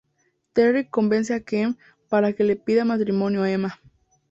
Terri convence a Ken para que le pida matrimonio a Emma.